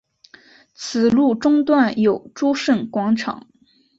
此路中段有诸圣广场。